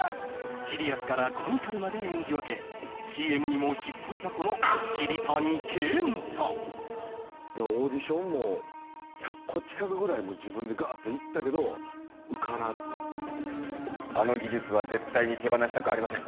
シリアスからコミカルまで演じ分けＣＭにも引っ張りだこの桐谷健太オーディションも１００個近くぐらい自分でガーッと行ったけど受からずあの技術は絶対に手放したくありません